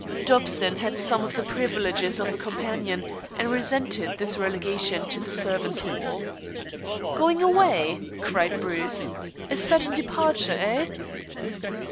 Dobson had some of the privileges of a companion, and resented this relegation to the servants' hall. "Going away?" cried Bruce. "A sudden departure, eh?"